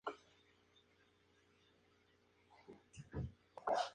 Posteriormente ha sufrido otra reforma.